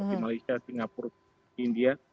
di malaysia singapura india